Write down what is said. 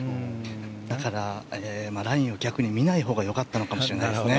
だからラインを逆に見ないほうが良かったかもしれないですね。